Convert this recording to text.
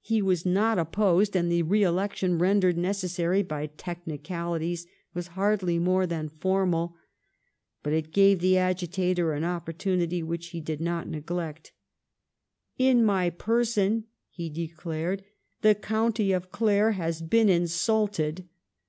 He was not opposed, and the re election rendered necessary by technicalities was hardly more than formal, but it gave the agitator an opportunity which he did not neglect. " In my pei son," he declared, " the County of Clare has been insulted.